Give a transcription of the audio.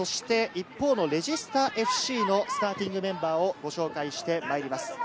一方のレジスタＦＣのスターティングメンバーをご紹介してまいります。